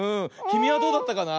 きみはどうだったかな？